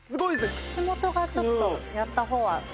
口元がちょっとやった方はシュッと。